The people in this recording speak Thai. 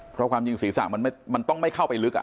เพราะความจริงศีรษะมันต้องไม่เข้าไปลึก